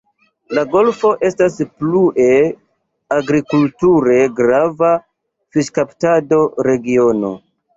La golfo estas plue agrikulture grava fiŝkaptado-regiono.